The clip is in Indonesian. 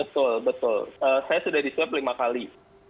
betul betul saya sudah diswab lima kali